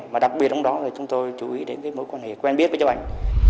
và đặc biệt trong đó là chúng tôi chú ý đến mối quan hệ quen biết với cháu hành